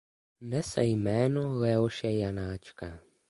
Nese jméno Leoše Janáčka.